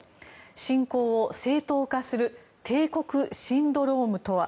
侵攻を正当化する帝国シンドロームとは。